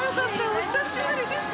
お久しぶりです。